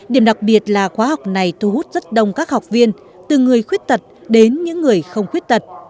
điểm đặc biệt là khóa học này thu hút rất đông các học viên từ người khuyết tật đến những người không khuyết tật